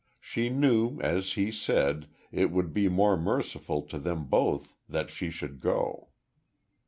She knew, as he said, it would be more merciful to them both that she should go.